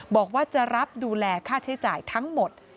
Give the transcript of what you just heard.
บอกว่าจะรับดูแลค่าใช้จ่ายทั้งหมด